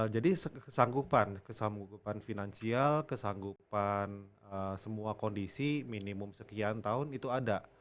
jadi kesanggupan kesanggupan finansial kesanggupan semua kondisi minimum sekian tahun itu ada